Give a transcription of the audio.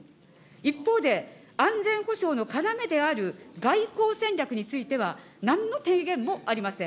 一方で、安全保障の要である外交戦略については、なんの提言もありません。